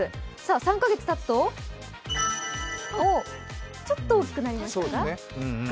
３か月たつと、ちょっと大きくなりましたか。